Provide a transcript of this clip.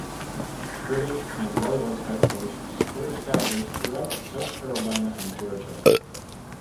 British and Loyalist outposts were established throughout South Carolina and Georgia.